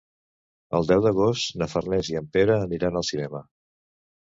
El deu d'agost na Farners i en Pere aniran al cinema.